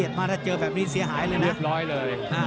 ถ้าเจอสิ้นแน่แกจะหายนอนแล้วนะ